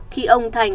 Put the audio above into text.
khi ông thành